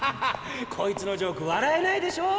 こいつのジョーク笑えないでしょ？